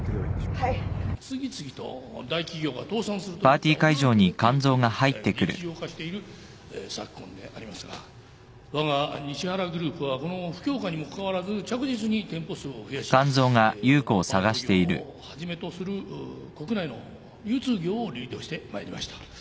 次々と大企業が倒産するといった驚くべき事態が日常化している昨今でありますが我が西原グループはこの不況下にもかかわらず着実に店舗数を増やしデパート業をはじめとする国内の流通業をリードして参りました。